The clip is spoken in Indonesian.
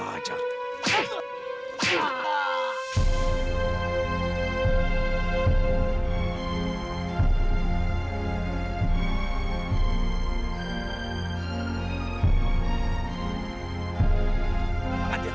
jangan lupa untuk berlangganan